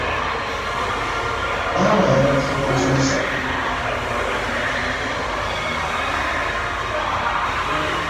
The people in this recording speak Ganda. Baaba ayagala kufuuka musomesa.